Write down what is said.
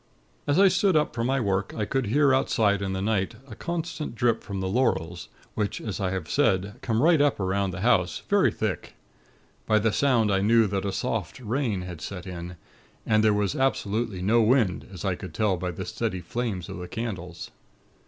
"As I stood up from my work, I could hear outside in the night a constant drip from the laurels, which as I have said, come right up around the house, very thick. By the sound, I knew that a 'soft' rain had set in; and there was absolutely no wind, as I could tell by the steady flames of the candles.